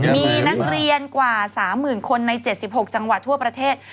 มีนักเรียนกว่า๓๐๐๐คนใน๗๖จังหวัดทั่วประเทศ